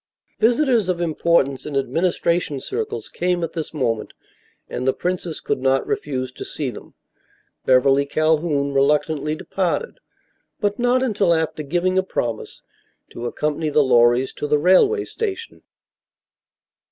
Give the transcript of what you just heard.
Visitors of importance in administration circles came at this moment and the princess could not refuse to see them. Beverly Calhoun reluctantly departed, but not until after giving a promise to accompany the Lorrys to the railway station.